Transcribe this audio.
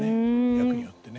役によってね。